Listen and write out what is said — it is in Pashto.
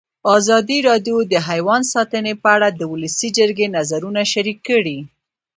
ازادي راډیو د حیوان ساتنه په اړه د ولسي جرګې نظرونه شریک کړي.